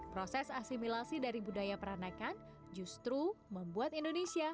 proses asimilasi dari budaya peranakan justru membuat indonesia